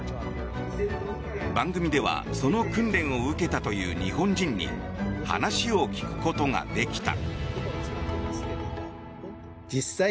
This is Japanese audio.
番組ではその訓練を受けたという日本人に話を聞くことができた。